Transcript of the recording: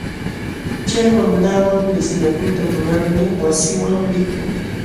Chay wamlawan liqsinakuyta munalmi wasinman likun.